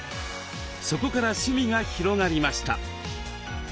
そこから趣味が広がりました。